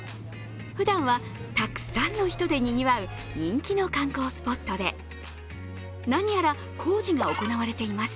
ふだんはたくさんの人でにぎわう人気の観光スポットで何やら工事が行われています